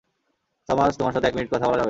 Thomas, তোমার সাথে এক মিনিট কথা বলা যাবে?